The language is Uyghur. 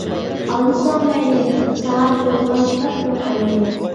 ئالمىساڭ مەيلى، ساڭا بېرىدىغان كىتاب يوق ئەمدى!